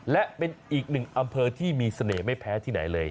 และเป็นอีกหนึ่งอำเภอที่มีเสน่ห์ไม่แพ้ที่ไหนเลย